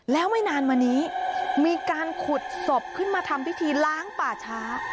แล้วไม่นานมานี้มีการขุดศพขึ้นมาทำพิธีล้างป่าช้า